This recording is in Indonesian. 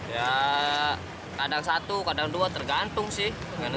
ya kadang satu kadang dua tergantung sih